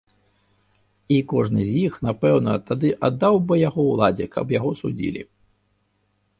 І кожны з іх напэўна тады аддаў бы яго ўладзе, каб яго судзілі.